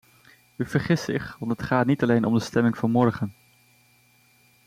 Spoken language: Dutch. U vergist zich, want het gaat niet alleen om de stemming van morgen.